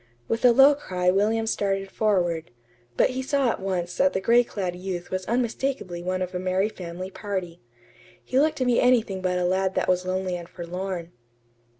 With a low cry William started forward; but he saw at once that the gray clad youth was unmistakably one of a merry family party. He looked to be anything but a lad that was lonely and forlorn.